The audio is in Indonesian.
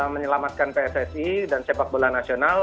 menyelamatkan pssi dan sepak bola nasional